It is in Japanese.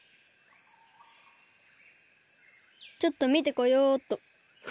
ちょっとみてこようっと。